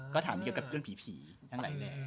ก็ถามเกี่ยวกับเรื่องผีทั้งหลายแบบ